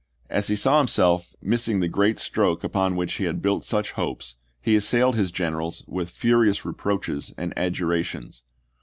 As he saw himself missing the great stroke upon which he had built such hopes, he assailed his generals with furious reproaches and adjurations.